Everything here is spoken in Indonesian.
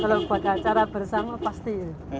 kalau buat acara bersama pasti